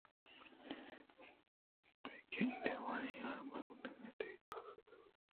بہ گندے آوانی حیالءَ ہمے اتکگ کہ تئی بحت زور اِنت